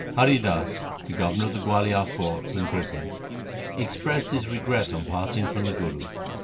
2 Hari Das, the governor of the Gualiar fort and prison, expressed his regret on parting from the Guru.